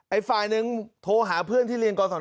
อีกฝ่ายนึงโทรหาเพื่อนที่เรียนกศ